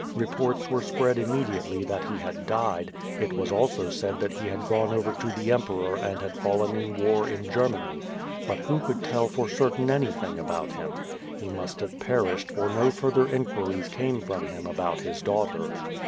Reports were spread imme diately that he had died; it was also said that he had gone over to the emperor and had fallen in war in Germany; but who could tell for certain anything about him? He must have perished for no further inquiries came from him about his daughter.